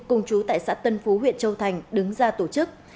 cùng chú tại xã tân phú huyện châu thành đứng ra tổ chức